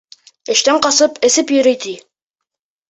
Эштән ҡасып эсеп йөрөй, ти.